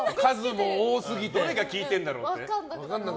どれが効いてるんだろうってね。